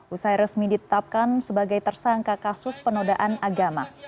usai resmi ditetapkan sebagai tersangka kasus penodaan agama